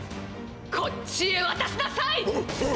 「こっちへわたしなさい！」。